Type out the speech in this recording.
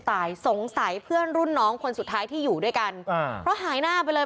ตายสงสัยเพื่อนรุ่นน้องคนสุดท้ายที่อยู่ด้วยกันอ่าเพราะหายหน้าไปเลย